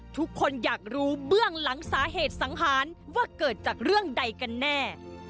ทุกคนอยากรู้เบื้องหลังสาเหตุสังหารว่าเกิดจากเรื่องใดกันแน่